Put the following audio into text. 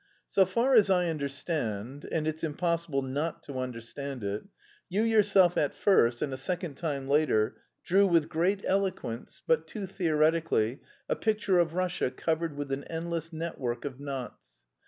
"So far as I understand and it's impossible not to understand it you yourself at first and a second time later, drew with great eloquence, but too theoretically, a picture of Russia covered with an endless network of knots.